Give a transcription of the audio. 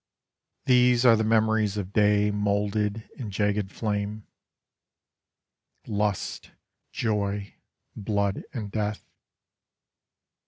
These are the memories of day moulded in jagged flame: Lust, joy, blood, and death.